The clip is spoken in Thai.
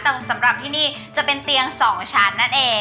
แต่สำหรับที่นี่จะเป็นเตียง๒ชั้นนั่นเอง